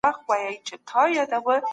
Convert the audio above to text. د غريبو خلګو غږ بايد واورېدل سي.